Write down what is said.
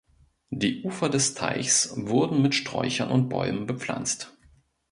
Die Ufer des Teichs wurden mit Sträuchern und Bäumen bepflanzt.